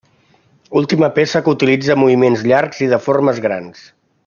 Última peça que utilitza moviments llargs i de formes grans.